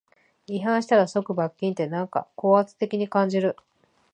違反したら即罰金って、なんか高圧的に感じる